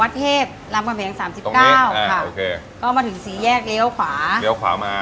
เร็วขวามา